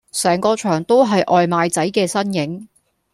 成個場都係外賣仔嘅身影